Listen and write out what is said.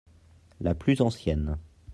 La plus ancienne.